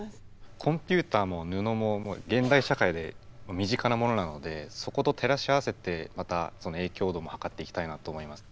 コンピューターも布も現代社会で身近なものなのでそこと照らし合わせてまたその影響度も図っていきたいなと思います。